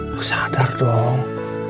lu sadar dong